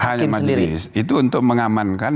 hakim sendiri itu untuk mengamankan